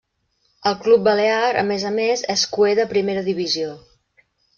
El club balear, a més a més, és cuer de primera divisió.